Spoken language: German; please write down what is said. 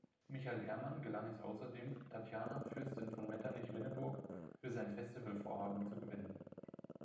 Michael Herrmann gelang es außerdem, Tatiana Fürstin von Metternich-Winneburg für sein Festival-Vorhaben zu gewinnen.